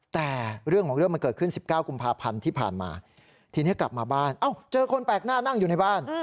แต่เรื่องของเรื่องมันเกิดขึ้น๑๙กุมภาพันธ์ที่ผ่านมาทีนี้กลับมาบ้านเอ้าเจอคนแปลกหน้านั่งอยู่ในบ้าน